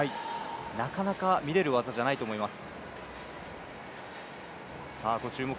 なかなか見れる技じゃないと思います。